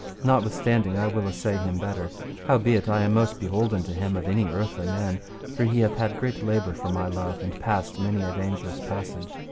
Notwithstanding, I will assay him better, howbeit I am most beholden to him of any earthly man; for he hath had great labour for my love, and passed many a dangerous passage.